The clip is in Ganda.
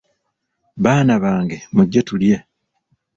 Baana bange mujje tulye.